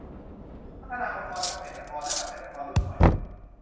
พัฒนาองค์กรเกษตรกรและเกษตรกรรุ่นใหม่